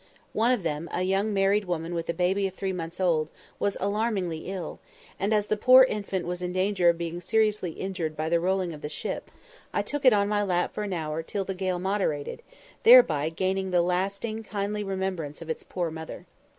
One of them, a young married woman with a baby of three months old, was alarmingly ill, and, as the poor infant was in danger of being seriously injured by the rolling of the ship, I took it on my lap for an hour till the gale moderated, thereby gaining the lasting kindly remembrance of its poor mother.